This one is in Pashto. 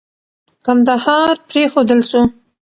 کندهار پرېښودل سو.